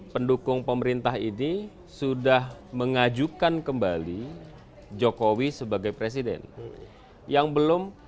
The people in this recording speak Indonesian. pendukung pemerintah ini sudah mengajukan kembali jokowi sebagai presiden yang belum pan sama pkb